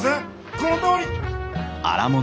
このとおり！